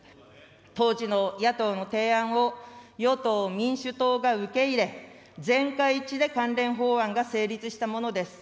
当時の野党の提案を、与党・民主党が受け入れ、全会一致で関連法案が成立したものです。